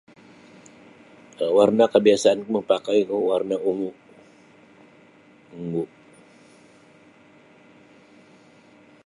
um Warna kabiasaan ku mapakai ku warna ungu ungu.